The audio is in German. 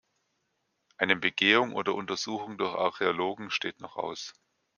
Eine Begehung oder Untersuchung durch Archäologen steht noch aus.